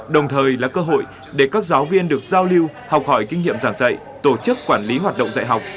đồng thời là cơ hội để các giáo viên được giao lưu học hỏi kinh nghiệm giảng dạy tổ chức quản lý hoạt động dạy học